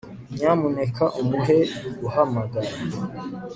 Nyamuneka umuhe guhamagara